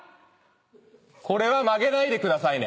これは曲げないでくださいね。